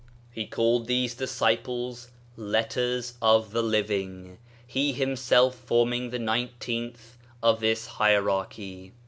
He called these disciples " Letters of the Living," he himself forming the nineteenth of this hierachy.